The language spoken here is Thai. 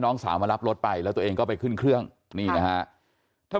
น้องสาวมารับรถไปแล้วตัวเองก็ไปขึ้นเครื่องนี่นะฮะ